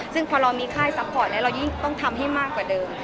ซึ่งพอเรามีค่ายซัพพอร์ตเรายิ่งต้องทำให้มากกว่าเดิม